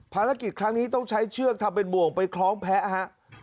ภารกิจครั้งนี้ต้องใช้เชือกทำเป็นบ่วงไปคล้องแพ้ฮะ